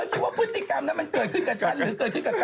คิดว่าพฤติกรรมนั้นมันเกิดขึ้นกับฉันหรือเกิดขึ้นกับฉัน